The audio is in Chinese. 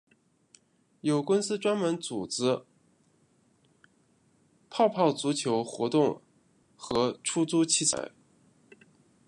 有公司专门组织泡泡足球活动和出租器材。